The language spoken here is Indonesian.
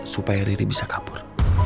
supaya riri bisa kabur